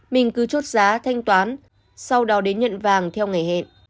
mình cứ chốt giá thanh toán sau đó đến nhận vàng theo ngày hẹn